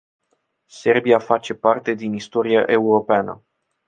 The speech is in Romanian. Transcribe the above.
Serbia face parte din istoria europeană.